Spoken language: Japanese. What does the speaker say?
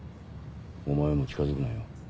お前も近づくなよ。